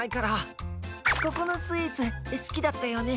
ここのスイーツすきだったよね？